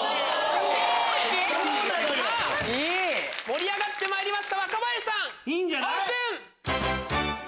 盛り上がってまいりました若林さんオープン！